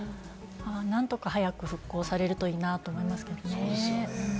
何とか早く復興されるといいなと思いますけれどもね。